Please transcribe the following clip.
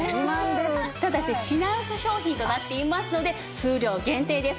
ただし品薄商品となっていますので数量限定です。